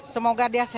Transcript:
semoga dia sehat